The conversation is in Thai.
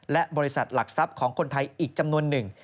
และบริษัทหลักทรัพย์ของคนไทยอีกจำนวนหนึ่ง